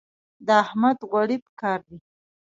د احمد غوړي په کار دي.